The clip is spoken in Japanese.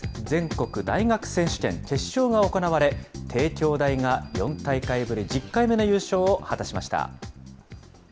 全国大学選手権、決勝が行われ、帝京大が４大会ぶり、１０回目の優勝を果たしました。